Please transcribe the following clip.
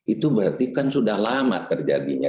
itu berarti kan sudah lama terjadinya